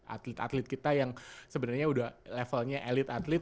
atlet atlet kita yang sebenarnya udah levelnya elit atlet